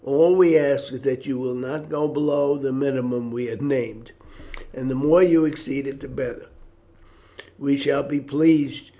All we ask is that you will not go below the minimum we have named, and the more you exceed it the better we shall be pleased.